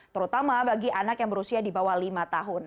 terutama bagi anak yang berusia di bawah lima tahun